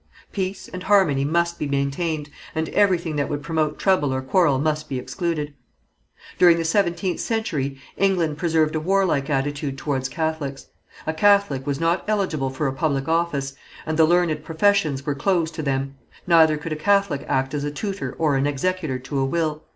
Peace and harmony must be maintained, and everything that would promote trouble or quarrel must be excluded. During the seventeenth century, England preserved a war like attitude towards Catholics. A Catholic was not eligible for a public office, and the learned professions were closed to them, neither could a Catholic act as a tutor or as an executor to a will.